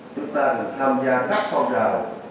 chúng ta được tham gia các phong trào